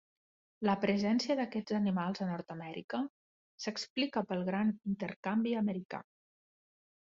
La presència d'aquests animals a Nord-amèrica s'explica pel gran intercanvi americà.